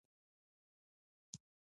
د پملا مشر د اجرایوي بورډ لخوا ټاکل کیږي.